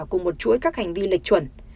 của một chuỗi các hành vi lệch chuẩn